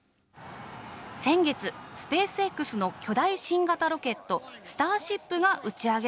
先月スペースＸの巨大新型ロケット「スターシップ」が打ち上げられました。